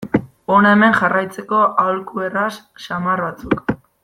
Hona hemen jarraitzeko aholku erraz samar batzuk.